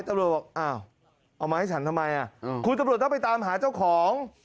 คุณตบรวยบอกเอามาให้ฉันทำไมคุณตบรวยร้อยไปตามหาเจ้าของ